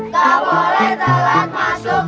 ga boleh telat masuk